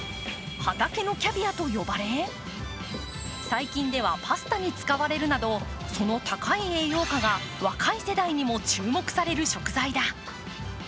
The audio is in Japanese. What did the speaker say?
畑のキャビアと呼ばれ、最近ではパスタに使われるなど、その高い栄養価が若い世代にも注目される食材だ。